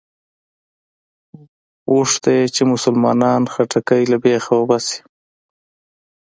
غوښته یې چې مسلمانانو خټکی له بېخه وباسي.